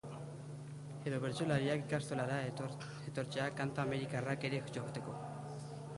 Edo bertsolariak ikastolara etortzea kanta amerikarrak ere jotzeko.